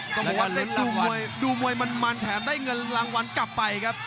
ก็บอกว่าได้ดูมวยมันมันแถมได้เงินรางวัลกลับไปครับ